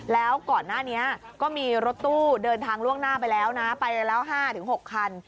แล้วก่อนหน้านี้ก็มีรถตู้เดินทางล่วงหน้าไปแล้วนะไปแล้ว๕๖คัน